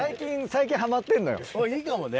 いいかもね。